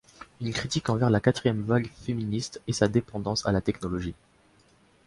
Une critique envers la quatrième vague féministe est sa dépendance à la technologie.